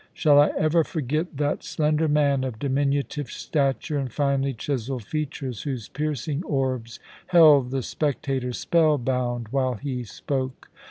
Shall I ever forget that slender man of diminutive stature and finely chiselled features, whose piercing orbs held the spectator spellbound while he spoke